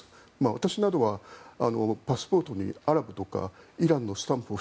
私などはパスポートにアラブとかイランのスタンプを